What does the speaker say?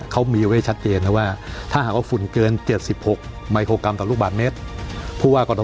เขามีไว้ชัดเจนว่าถ้าหากฝุ่นเกิน๗๖มิโคกรัมต่อลูกบาทเม็ด